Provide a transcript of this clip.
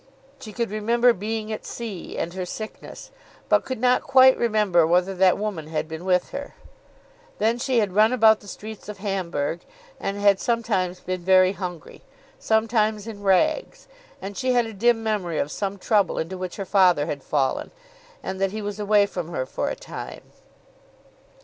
She could remember being at sea, and her sickness, but could not quite remember whether that woman had been with her. Then she had run about the streets of Hamburgh, and had sometimes been very hungry, sometimes in rags, and she had a dim memory of some trouble into which her father had fallen, and that he was away from her for a time.